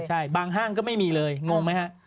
ใช่บางห้างก็ไม่มีเลยงงไหมฮะ